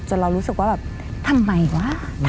เรารู้สึกว่าแบบทำไมวะ